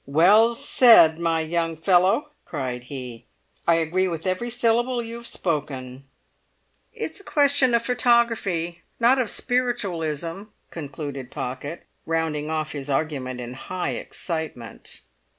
"Well said, my young fellow!" cried he. "I agree with every syllable you have spoken." "It's a question of photography, not of spiritualism," concluded Pocket, rounding off his argument in high excitement.